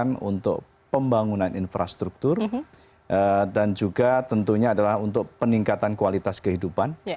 yang untuk pembangunan infrastruktur dan juga tentunya adalah untuk peningkatan kualitas kehidupan